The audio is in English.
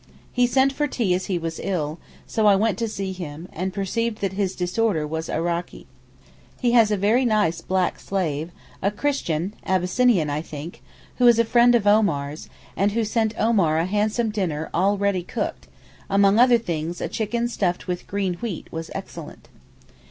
He sent for tea as he was ill, so I went to see him, and perceived that his disorder was arrakee. He has a very nice black slave, a Christian (Abyssinian, I think), who is a friend of Omar's, and who sent Omar a handsome dinner all ready cooked; among other things a chicken stuffed with green wheat was excellent.